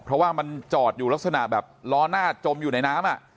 เพราะว่ามันจอดอยู่ลักษณะแบบล้อหน้าจมอยู่ในน้ำ